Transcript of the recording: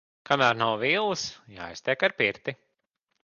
Kamēr nav villas, jāiztiek ar pirti.